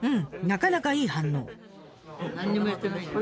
なかなかいい反応。